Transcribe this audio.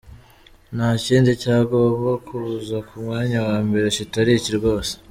Nta kindi cyagomba kuza ku mwanya wa mbere kitari iki rwose.